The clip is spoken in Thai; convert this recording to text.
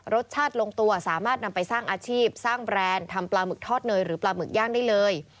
รสชาติลงตัวสามารถนำไปสร้างอาชีพสร้างแบรนด์ทำปลาหมึกทอดเนยหรือปลาหมึกย่างได้เลย